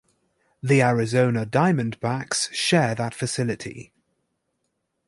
The Arizona Diamondbacks share that facility.